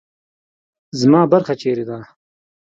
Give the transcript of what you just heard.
زما برخه چیرې ده؟